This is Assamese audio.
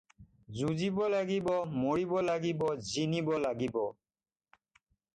যুঁজিব লাগিব, মৰিব লাগিব, জিনিব লাগিব।